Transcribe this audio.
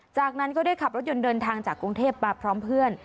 จากนั้นก็ได้ขับรถยนต์เดินทางจากกรุงเทพมาพร้อมเพื่อน